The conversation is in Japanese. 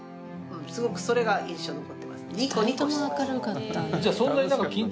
すごくそれが印象に残ってます。